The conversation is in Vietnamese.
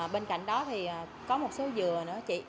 bên cạnh đó thì có một số dừa nữa chị